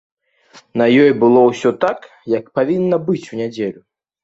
На ёй было ўсё так, як павінна быць у нядзелю.